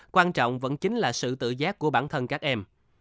quan trọng vẫn chính là sự tự giác của bản thân các em